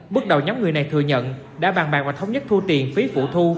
bước đầu nhóm người này thừa nhận đã bàn bạc và thống nhất thu tiền phí phụ thu